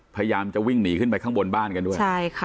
พยายามจะวิ่งหนีขึ้นไปข้างบนบ้านกันด้วยใช่ค่ะ